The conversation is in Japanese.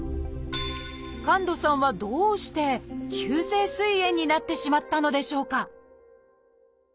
神門さんはどうして急性すい炎になってしまったのでしょうか？